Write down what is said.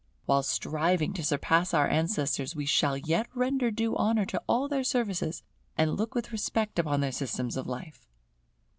While striving to surpass our ancestors, we shall yet render due honour to all their services, and look with respect upon their systems of life.